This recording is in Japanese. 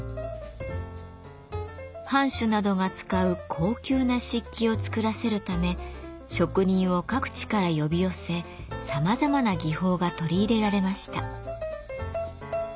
藩主などが使う高級な漆器を作らせるため職人を各地から呼び寄せさまざまな技法が取り入れられました。